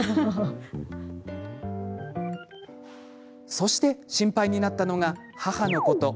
そして心配になったのが母のこと。